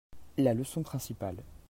La leçon principale.